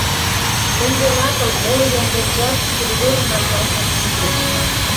Мӹнь веле агыл, молы йӓнгӓнжӓт природын вашталтмым шижеш.